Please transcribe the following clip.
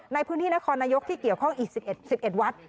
ในพื้นที่นครนายกที่เกี่ยวข้องอีก๑๑วัด